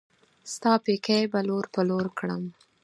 ستا پيکی به لور پر لور کړم